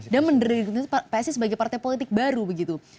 dan mendelegitimasi psi sebagai partai politik baru begitu